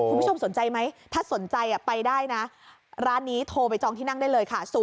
คุณผู้ชมสนใจไหมถ้าสนใจไปได้นะร้านนี้โทรไปจองที่นั่งได้เลยค่ะ